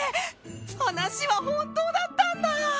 話は本当だったんだ！